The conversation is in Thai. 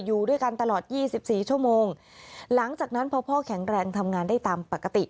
อยู่ด้วยกันตลอดยี่สิบสี่ชั่วโมงหลังจากนั้นพอพ่อแข็งแรงทำงานได้ตามปกติ